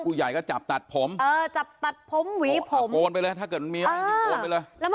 ผู้ใหญ่ก็จับตัดผมอาโกนไปเลยถ้าเกิดมีอะไรก็จับตัดผม